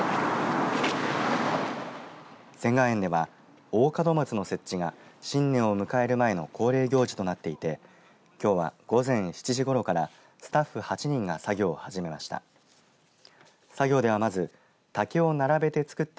仙巌園では大門松の設置が新年を迎える前の恒例行事となっていてきょうは午前７時ごろからスタッフ８人が作業を始めました。